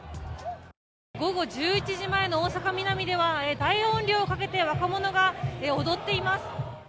午後１１時前の大阪・ミナミでは大音量をかけて若者が踊っています。